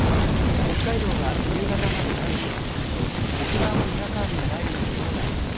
北海道は夕方まで雷雨となるでしょう。